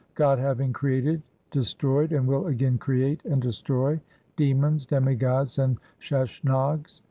God having created destroyed, and will again create and destroy demons, demigods, and Sheshnags.